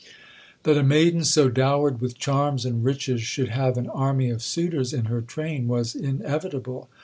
That a maiden so dowered with charms and riches should have an army of suitors in her train was inevitable.